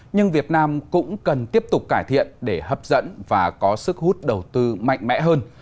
nhưng việt nam cũng cần tiếp tục cải thiện để hấp dẫn và có sức hút đầu tư mạnh mẽ hơn